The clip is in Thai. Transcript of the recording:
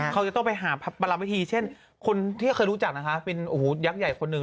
เค้าจะต้องไปหาบรรณวิธีเช่นคนที่เคยรู้ชอบเป็นพี่ยังใหญ่คนหนึ่ง